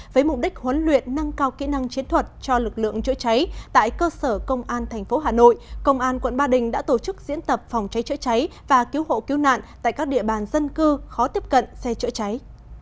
với mục đích huấn luyện nâng cao kỹ năng chiến thuật cho lực lượng chữa cháy tại cơ sở công an tp hà nội công an quận ba đình đã tổ chức diễn tập phòng cháy chữa cháy và cứu hộ cứu nạn tại các địa bàn dân cư khó tiếp cận xe chữa cháy